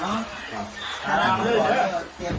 หลงหลงหลงหลงหลง